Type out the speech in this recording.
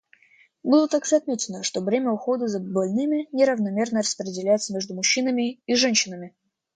Было также отмечено, что бремя ухода за больными неравномерно распределяется между мужчинами и женщинами.